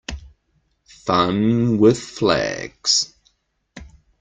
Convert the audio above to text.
Fun with flags.